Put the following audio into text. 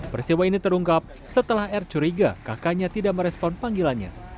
peristiwa ini terungkap setelah r curiga kakaknya tidak merespon panggilannya